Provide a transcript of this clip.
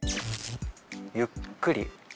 ゆっくり。